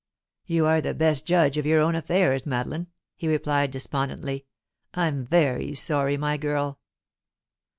"You are the best judge of your own affairs, Madeline," he replied despondently. "I'm very sorry, my girl."